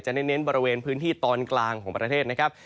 เน้นบริเวณพื้นที่ตอนกลางของประเทศนะครับ